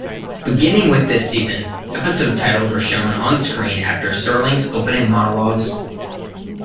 Beginning with this season, episode titles were shown on screen after Serling's opening monologues.